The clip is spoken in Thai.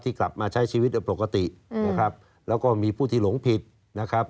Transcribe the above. กลับมาใช้ชีวิตโดยปกตินะครับแล้วก็มีผู้ที่หลงผิดนะครับ